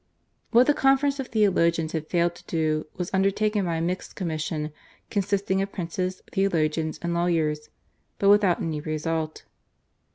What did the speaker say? What the conference of theologians had failed to do was undertaken by a mixed commission consisting of princes, theologians, and lawyers, but without any result.